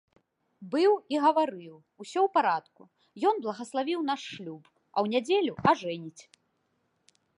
Быў і гаварыў, усё ў парадку, ён благаславіў наш шлюб, а ў нядзелю ажэніць.